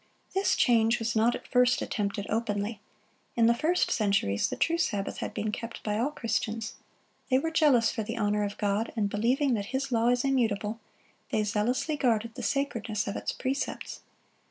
This change was not at first attempted openly. In the first centuries the true Sabbath had been kept by all Christians. They were jealous for the honor of God, and believing that His law is immutable, they zealously guarded the sacredness of its precepts.